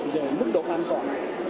giờ mức độ an toàn